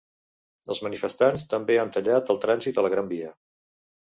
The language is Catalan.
Els manifestants també han tallat el trànsit a la Gran Via.